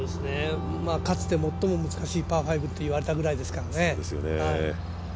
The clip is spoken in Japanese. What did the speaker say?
かつて最も難しいパー５といわれたぐらいですからね。